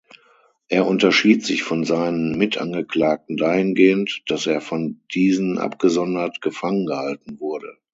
Er unterschied sich von seinen Mitangeklagten dahingehend, dass er von diesen abgesondert gefangengehalten wurde.